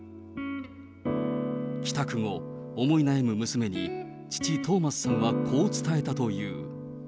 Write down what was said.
帰宅後、思い悩む娘に、父、トーマスさんはこう伝えたという。